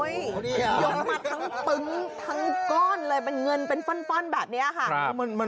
ยกมาทั้งปึ้งทั้งก้อนเลยเป็นเงินเป็นป้อนแบบนี้ค่ะ